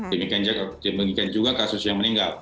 demikian juga kasus yang meninggal